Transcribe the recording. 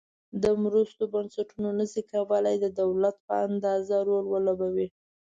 د مرستو بنسټونه نشي کولای د دولت په اندازه رول ولوبوي.